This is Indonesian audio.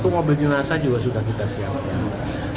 satu mobil jenazah juga sudah kita siapkan